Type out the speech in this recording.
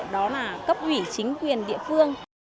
đó là cấp ủy chính quyền địa phương